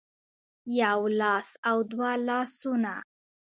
يو لاس او دوه لاسونه